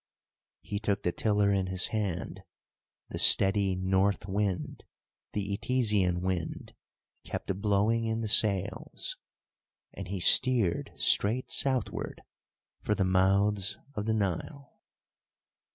He took the tiller in his hand; the steady north wind, the Etesian wind, kept blowing in the sails, and he steered straight southward for the mouths of the Nile.